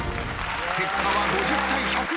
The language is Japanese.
結果は５０対１２５。